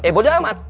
eh boleh amat